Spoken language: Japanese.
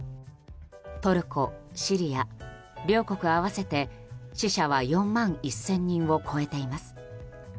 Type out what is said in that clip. トルコ、シリア両国合わせて死者は４万１０００人を超えています。